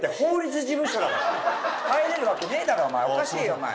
おかしいよお前！